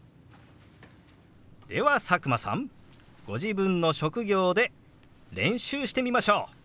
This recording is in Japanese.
では佐久間さんご自分の職業で練習してみましょう！